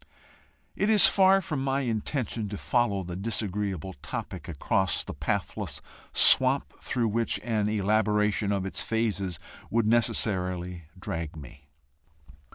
It is far from my intention to follow the disagreeable topic across the pathless swamp through which an elaboration of its phases would necessarily drag me.